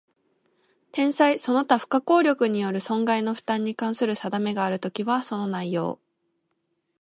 天災その他不可抗力による損害の負担に関する定めがあるときは、その内容